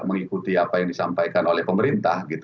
mengikuti apa yang disampaikan oleh pemerintah